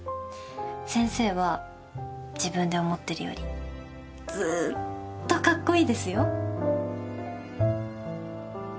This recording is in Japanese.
先生は自分で思ってるよりずっとかっこいいですよ。